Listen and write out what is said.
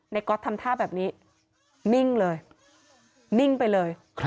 ก๊อตทำท่าแบบนี้นิ่งเลยนิ่งไปเลย